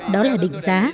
đó là định giá